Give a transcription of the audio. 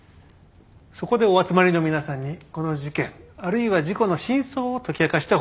そこでお集まりの皆さんにこの事件あるいは事故の真相を解き明かしてほしいわけです。